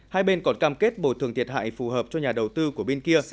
hai bên còn cam kết bồi thường thiệt hại phù hợp cho nhà đầu tư của bên kia